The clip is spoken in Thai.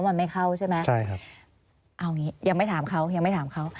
ว่ามันไม่เข้าใช่ไหมเอาอย่างนี้ยังไม่ถามเขายังไม่ถามเขา